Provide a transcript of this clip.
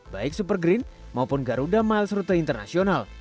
baik supergreen maupun garuda miles rute internasional